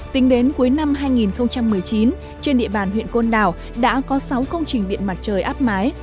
tính đến cuối năm hai nghìn một mươi chín trên địa bàn huyện côn đảo đã có sáu công trình điện mặt trời áp mái